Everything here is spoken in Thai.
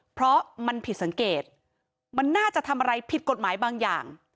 เพราะมันผิดสังเกตมันน่าจะทำอะไรผิดกฎหมายบางอย่าง